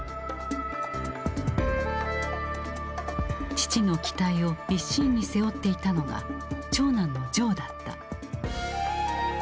父の期待を一身に背負っていたのが長男のジョーだった。